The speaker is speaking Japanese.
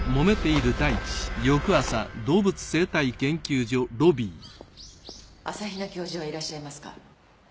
朝比奈教授はいらっしゃいますか？